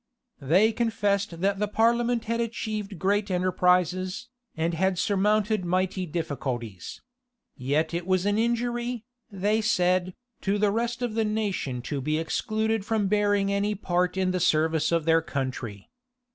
They confessed that the parliament had achieved great enterprises, and had surmounted mighty difficulties; yet was it an injury, they said, to the rest of the nation to be excluded from bearing any part in the service of their country.